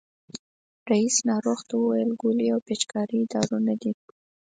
رئیس ناروغ ته وویل ګولۍ او پيچکاري دارو نه دي.